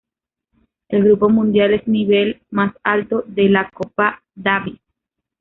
El Grupo Mundial es nivel más alto de la Copa Davis.